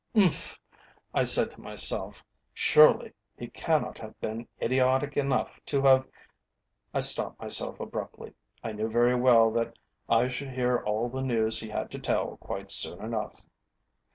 "Umph!" I said to myself, "surely he cannot have been idiotic enough to have " I stopped myself abruptly. I knew very well that I should hear all the news he had to tell quite soon enough.